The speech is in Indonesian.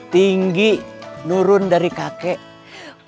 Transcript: tinggi nurun dari kakek